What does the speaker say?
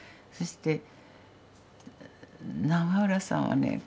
そして永浦さんはね